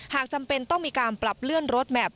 จำเป็นต้องมีการปรับเลื่อนรถแมพ